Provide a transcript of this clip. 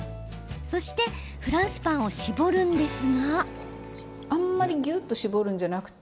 そして、フランスパンを絞るんですが。